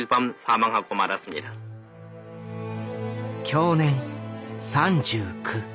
享年３９。